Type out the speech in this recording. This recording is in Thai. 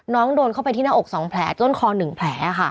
น้องโดนเข้าไปที่หน้าอกสองแผลจนคอหนึ่งแผลค่ะ